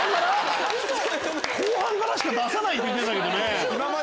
後半からしか出さないって言ってたけどね。